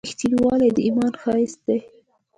• رښتینولي د ایمان ښایست دی.